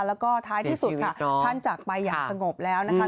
แล้วก็ท้ายที่สุดค่ะท่านจากไปอย่างสงบแล้วนะคะ